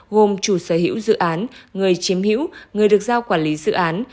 gồm chủ sở hữu dự án người chiếm hữu người được giao quản lý dự án